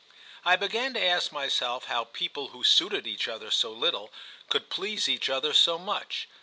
I began to ask myself how people who suited each other so little could please each other so much.